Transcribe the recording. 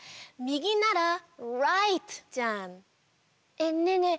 えっねえねえ